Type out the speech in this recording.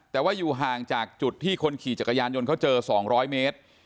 แต่ว่าอยู่ห่างจากจุดที่คนขี่จักรยานยนต์เขาเจอ๒๐๐เมตร